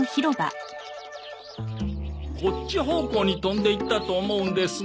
こっち方向に飛んでいったと思うんですが。